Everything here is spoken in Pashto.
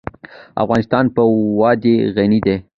افغانستان په وادي غني دی.